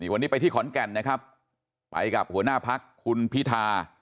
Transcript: วันนี้ไปที่ขอนแก่นนะครับไปกับหัวหน้าพักคุณพิธา